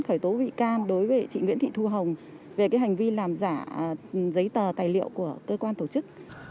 khởi tố bị can đối với chị nguyễn thị thu hồng về cái hành vi làm giả giấy tờ tài liệu của cơ quan tổ chức